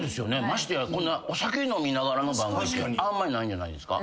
ましてやこんなお酒飲みながらの番組あんまりないんじゃないですか？